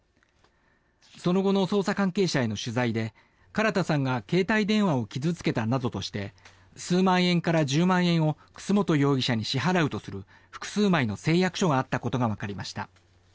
その後の捜査関係者への取材で唐田さんが携帯電話を傷付けたなどとして数万円から１０万円を楠本容疑者に支払うとする複数枚の誓約書があったことがわかりました。